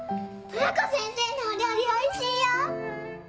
トラコ先生のお料理おいしいよ！